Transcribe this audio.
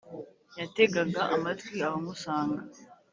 yategaga amatwi abamusanga...